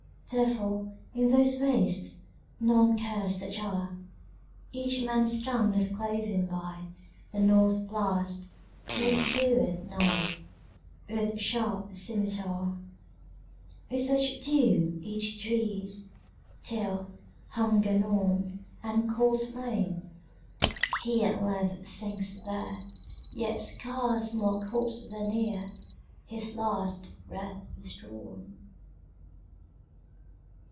Therefore, in those wastesNone curse the Czar.Each man's tongue is cloven byThe North Blast, who heweth nighWith sharp scymitar. And such doom each drees, Till, hunger gnawn, And cold slain, he at length sinks there, Yet scarce more a corpse than ereHis last breath was drawn.